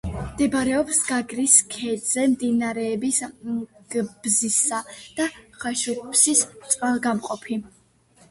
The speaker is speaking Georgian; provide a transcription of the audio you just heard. მდებარეობს გაგრის ქედზე, მდინარეების ბზიფისა და ხაშუფსის წყალგამყოფი.